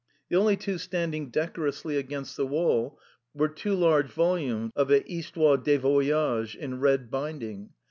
The only two standing decorously against the wall were two large volumes of a Histoire des Voyages, in red binding.